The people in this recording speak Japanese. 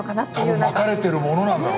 多分まかれてるものなんだろうね。